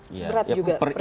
berat juga perjuangan